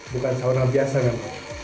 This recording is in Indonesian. bukan sauna biasa kan